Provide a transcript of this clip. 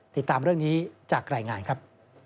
ติดตามเรื่องนี้จากรายงานครับ